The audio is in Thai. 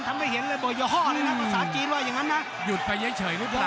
ทำให้เห็นเลยบ่ย่อห้อเลยนะภาษาจีนว่าอย่างนั้นนะ